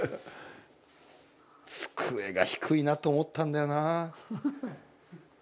机が低いなと思ったんだよな。